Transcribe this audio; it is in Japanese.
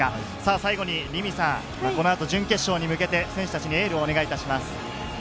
最後に準決勝に向けて選手たちにエールをお願いします。